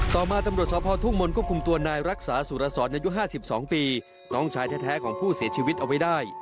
ต่อมาตำรวจชอบพ่อทุ่งมนต์ก็คุมตัวนายรักษาสุรสอร์ตในยุคห้าสิบสองปีน้องชายแท้แท้ของผู้เสียชีวิตเอาไว้ได้